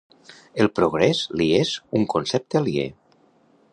El progrés li és un concepte aliè.